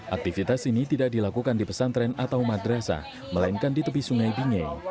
aktivitas ini tidak dilakukan di pesantren atau madrasah melainkan di tepi sungai bingeng